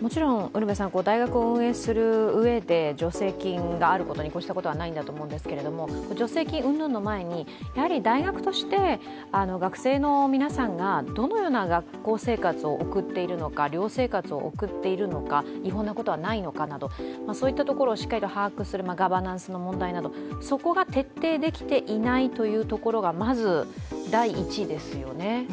もちろん大学を運営する上で助成金があることに越したことはないと思うんですけど助成金うんぬんの前に、大学として学生の皆さんがどのような学校生活を送っているのか寮生活を送っているのか違法なことはないのかなど、しっかり把握するガバナンスの問題などそこが徹底できていないというところがまず第一ですよね。